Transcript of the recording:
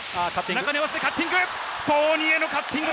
中に合わせてカッティング。